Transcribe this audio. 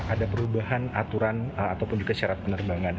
ada perubahan aturan ataupun juga syarat penerbangan